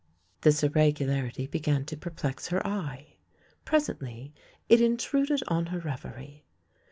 This irregularity began to perplex her eye. Pres ently it intruded on her reverie.